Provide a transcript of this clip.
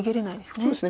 そうですね。